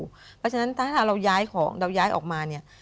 เพราะฉะนั้นถ้าเราย้ายของเราย้ายออกมาเนี่ย